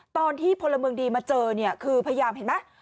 พลเมืองดีมาเจอเนี่ยคือพยายามเห็นไหม